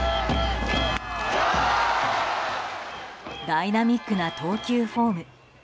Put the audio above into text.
ダイナミックな投球フォーム